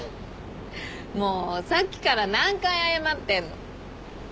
もうさっきから何回謝ってんの。